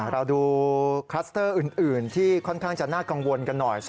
เราดูคลัสเตอร์อื่นที่ค่อนข้างจะน่ากังวลกันหน่อย